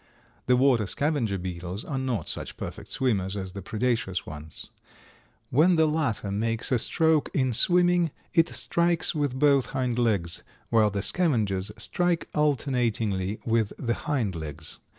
The Water scavenger beetles are not such perfect swimmers as the Predaceous ones. When the latter makes a stroke in swimming it strikes with both hind legs, while the Scavengers strike alternatingly with the hind legs.